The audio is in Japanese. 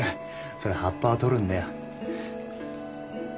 それ葉っぱは取るんだよ。